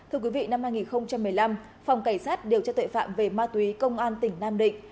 thưa quý vị năm hai nghìn một mươi năm phòng cảnh sát điều tra tuệ phạm về ma túy công an tỉnh nam định